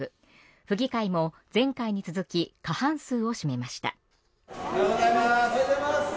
府議会も前回に続き過半数を占めました。